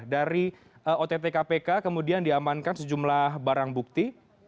dari ott kpk kemudian diamankan sejumlah barang bukti